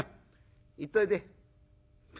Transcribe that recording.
行っといで」。